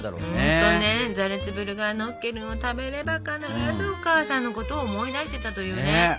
本当ねザルツブルガーノッケルンを食べれば必ずお母さんのことを思い出してたというね。